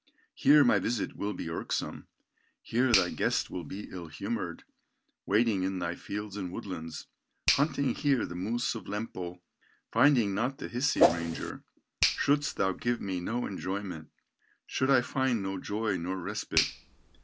Here my visit will be irksome, Here thy guest will be ill humored, Waiting in thy fields and woodlands, Hunting here the moose of Lempo, Finding not the Hisi ranger, Shouldst thou give me no enjoyment, Should I find no joy, nor respite.